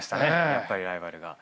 やっぱりライバルが。